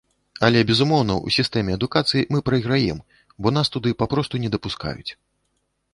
Але, безумоўна, у сістэме адукацыі мы прайграем, бо нас туды папросту не дапускаюць.